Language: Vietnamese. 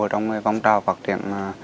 trong vòng trào phát triển